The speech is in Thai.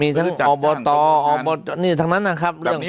มีทั้งอบตอบตนี่ทั้งนั้นนะครับ